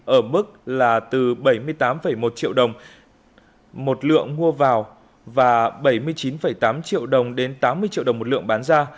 ở mức là từ bảy mươi tám một triệu đồng một lượng mua vào và bảy mươi chín tám triệu đồng đến tám mươi triệu đồng một lượng bán ra